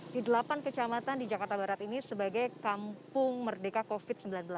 di delapan kecamatan di jakarta barat ini sebagai kampung merdeka covid sembilan belas